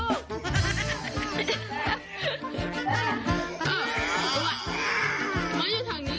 อ้าวมั๊ยอยู่ทางนี้